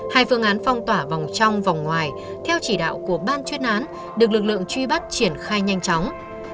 hai phương án phong tỏa vòng trong vòng ngoài theo chỉ đạo của ban chuyên án được lực lượng truy bắt triển khai nhanh chóng